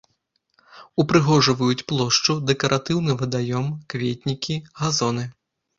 Упрыгожваюць плошчу дэкаратыўны вадаём, кветнікі, газоны.